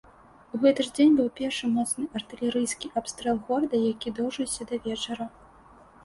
У гэты ж дзень быў першы моцны артылерыйскі абстрэл горада, які доўжыўся да вечара.